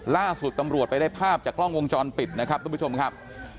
ล่าสุดตำรวจไปได้ภาพจากกล้องวงจรปิดนะครับทุกผู้ชมครับ